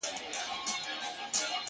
• په اذان به یې وګړي روژه نه سي ماتولای -